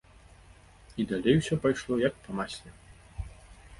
І далей усё пайшло, як па масле.